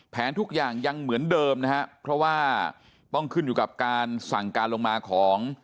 ทุกอย่างยังเหมือนเดิมนะครับเพราะว่าต้องขึ้นอยู่กับการสั่งการลงมาของ